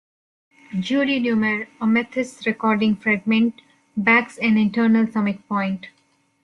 Julie Newmar, a Mathis-recording fragment backs an internal summit point.